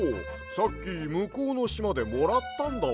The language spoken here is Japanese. さっきむこうのしまでもらったんだわ。